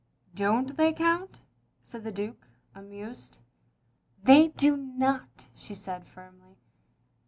"Don't they count?" said the Duke, amused. "They do not," she said firmly.